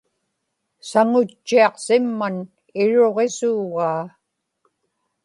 saŋutchiaqsimman iruġisuugaa